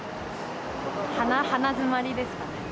鼻づまりですかね。